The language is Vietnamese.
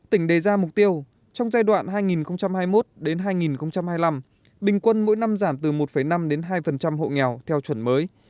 tỉnh đề ra mục tiêu trong giai đoạn hai nghìn hai mươi một hai nghìn hai mươi năm bình quân mỗi năm giảm từ một năm đến hai hộ nghèo theo chuẩn mới